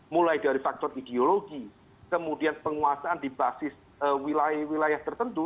mulai dari faktor ideologi kemudian penguasaan di basis wilayah wilayah tertentu